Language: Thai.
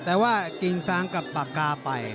แต่ว่ากิ่งซางกับปากกาไป